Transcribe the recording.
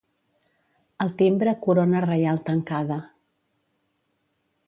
Al timbre Corona Reial Tancada.